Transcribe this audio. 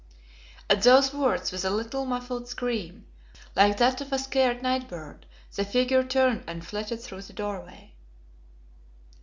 At those words, with a little muffled scream, like that of a scared night bird, the figure turned and flitted through the doorway.